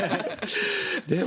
でも